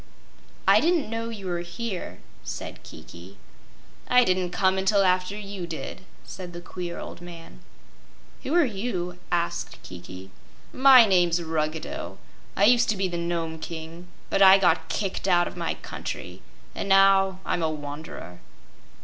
"I didn't know you were here," said Kiki. "I didn't come until after you did," said the queer old man. "Who are you?" asked Kiki. "My name's Ruggedo. I used to be the Nome King; but I got kicked out of my country, and now I'm a wanderer."